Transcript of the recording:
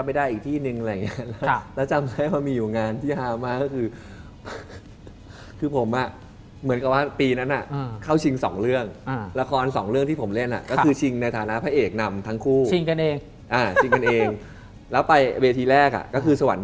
ไปทำงาน๖๘เดือนและแบบ